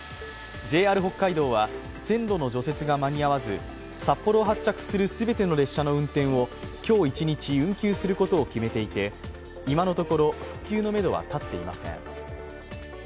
ＪＲ北海道は線路の除雪が間に合わず札幌を発着する全ての列車の運転を今日一日運休することを決めていて、今のところ復旧のめどは立っていません。